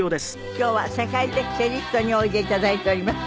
今日は世界的チェリストにおいで頂いております。